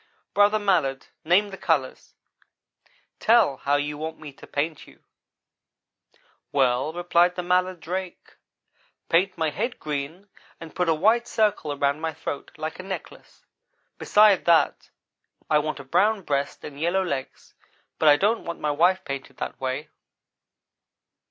"'Brother Mallard, name the colors tell how you want me to paint you.' "'Well,' replied the mallard drake, 'paint my head green, and put a white circle around my throat, like a necklace. Besides that, I want a brown breast and yellow legs: but I don't want my wife painted that way.'